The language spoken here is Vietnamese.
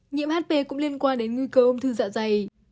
nhiễm hp cũng liên quan đến nguy cơ ung thư dạ dày